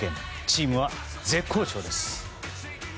チームは絶好調です。